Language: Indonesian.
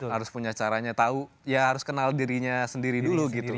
harus punya caranya tahu ya harus kenal dirinya sendiri dulu gitu